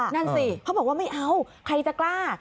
นั่นสิเขาบอกว่าไม่เอาใครจะกล้า